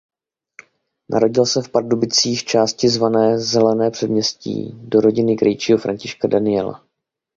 Narodil se v Pardubicích části zvané Zelené Předměstí do rodiny krejčího Františka Daniela.